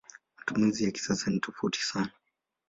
Matumizi ya kisasa ni tofauti sana.